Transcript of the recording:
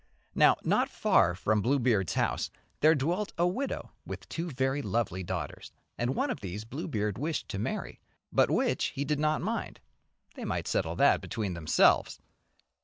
Now, not far from Bluebeard's house there dwelt a widow with two very lovely daughters, and one of these Bluebeard wished to marry, but which he did not mind, they might settle that between themselves.